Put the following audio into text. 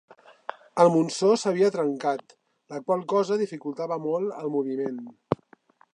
El monsó s'havia trencat, la qual cosa dificultava molt el moviment.